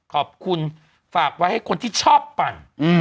ขอบคุณฝากไว้ให้คนที่ชอบปั่น